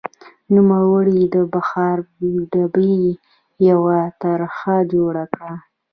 نوموړي د بخار ډبې یوه طرحه جوړه کړه.